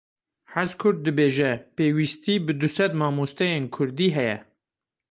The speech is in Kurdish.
Hezkurd dibêje; Pêwîstî bi du sed mamosteyên kurdî heye.